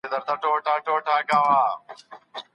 د روغتیایي خدماتو پوښښ څومره دی؟